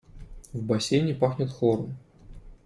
В бассейне пахнет хлором.